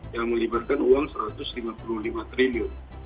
yang melibatkan uang rp satu ratus lima puluh lima triliun